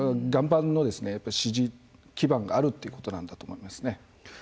岩盤の支持基盤があるということなんだと思いますね。